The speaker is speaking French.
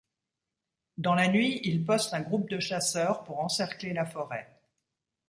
Dans la nuit, il poste un groupe de chasseurs pour encercler la forêt.